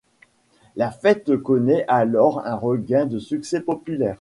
La fête connaît alors un regain de succès populaire.